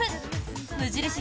無印